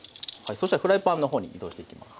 そしたらフライパンの方に移動していきます。